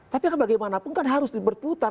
tapi bagaimanapun kan harus di berputar